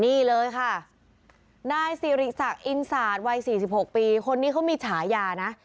นี่เลยค่ะนายสิริศักดิ์อินศาสตร์วัย๔๖ปีคนนี้เขามีฉายานะ